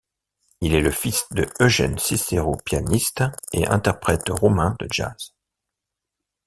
Il est le fils de Eugen Cicero Pianiste et interprète roumain de jazz.